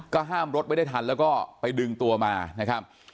ห้ามรถไม่ได้ทันแล้วก็ไปดึงตัวมานะครับ